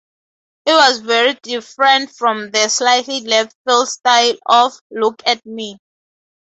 It was very different from the slightly leftfield style of 'Look at Me'.